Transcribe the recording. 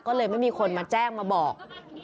ก็เลยไม่มีคนมาแจ้งมาบอก